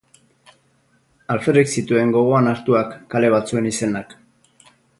Alferrik zituen gogoan hartuak kale batzuen izenak.